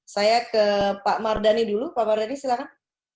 saya ke pak mardhani dulu pak mardani silahkan